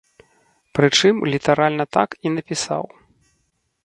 Прычым літаральна так і напісаў.